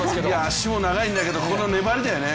足も長いんだけど、この粘りだよね